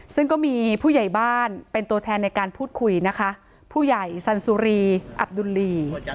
ซึ่งก็มีผู้ใหญ่บ้านเป็นตัวแทนในการพูดคุยนะคะผู้ใหญ่สันสุรีอับดุลลี